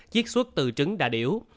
chiếc xuất từ trứng đà điểu